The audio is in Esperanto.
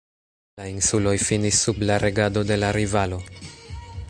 La insuloj finis sub la regado de la rivalo.